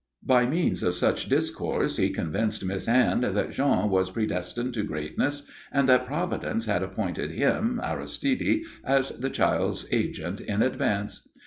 By means of such discourse he convinced Miss Anne that Jean was predestined to greatness and that Providence had appointed him, Aristide, as the child's agent in advance.